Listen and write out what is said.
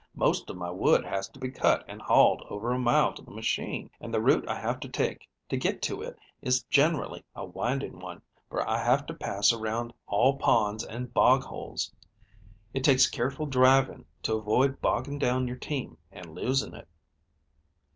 "Most of my wood has to be cut and hauled over a mile to the machine, and the route I have to take to get to it is generally a winding one, for I have to pass around all ponds and bog holes. It takes careful driving to avoid bogging down your team and losing it."